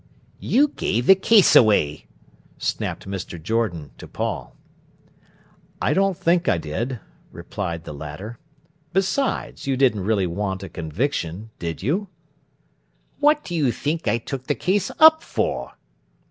"You gave the case away," snapped Mr. Jordan to Paul. "I don't think I did," replied the latter. "Besides, you didn't really want a conviction, did you?" "What do you think I took the case up for?"